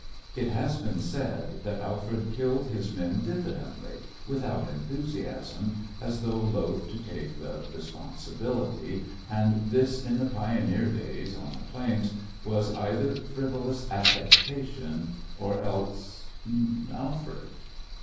It has been said that Alfred killed his men diffidently, without enthusiasm, as though loth to take the responsibility, and this in the pioneer days on the plains was either frivolous affectation, or else Alfred.